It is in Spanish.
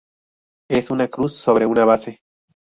Es una cruz sobre una base.